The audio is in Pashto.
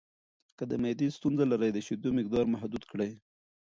که د معدې ستونزه لرئ، د شیدو مقدار محدود کړئ.